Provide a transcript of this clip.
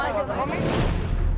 apa resikonya pacaran sama artis mas